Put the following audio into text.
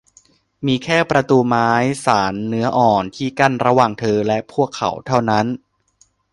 มีแค่ประตูไม้สานเนื้ออ่อนที่กั้นระหว่างเธอและพวกเขาเท่านั้น